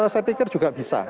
saya pikir juga bisa